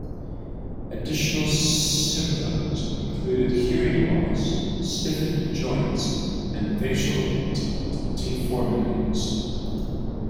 Additional symptoms included hearing loss, stiffened joints, and facial deformities.